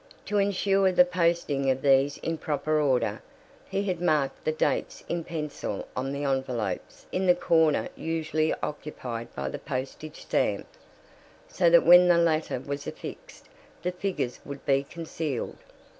To insure the posting of these in proper order, he had marked the dates in pencil on the envelopes in the corner usually occupied by the postage stamp, so that when the latter was affixed the figures would be concealed.